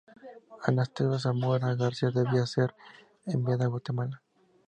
Anastasio Somoza García debía ser enviada a Guatemala.